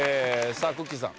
さあくっきー！さん。